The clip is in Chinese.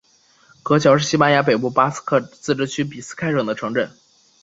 格乔是西班牙北部巴斯克自治区比斯开省的城镇。